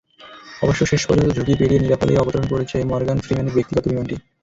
অবশ্য, শেষপর্যন্ত ঝুঁকি পেরিয়ে নিরাপদেই অবতরণ করেছে মর্গান ফ্রিম্যানের ব্যক্তিগত বিমানটি।